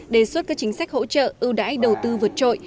đề xuất các chính sách hỗ trợ ưu đãi đầu tư vượt trội